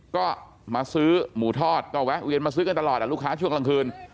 ก็มาซื้อหมูทอดก็แวะเวียนมาซื้อกันตลอดลูกค้าช่วงกลางคืน